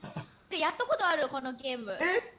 やったことある、このゲーム。